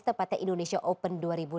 tepatnya indonesia open dua ribu delapan belas